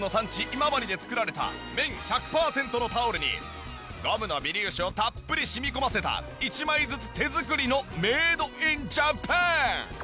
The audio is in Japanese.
今治で作られた綿１００パーセントのタオルにゴムの微粒子をたっぷり染み込ませた一枚ずつ手作りのメイドインジャパン！